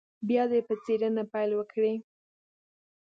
بیا دې په څېړنه پیل وکړي.